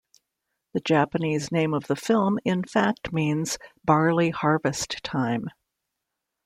The Japanese name of the film in fact means, Barley Harvest Time.